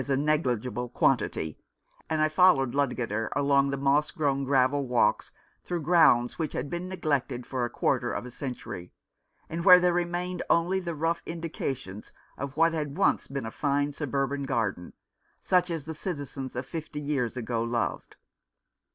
a neg ligible quantity, and I followed Ludgater along the moss grown gravel walks through grounds which had been neglected for a quarter of a century, and where there remained only the rough indications of what had once been a fine suburban garden, such as the citizens of fifty years ago loved.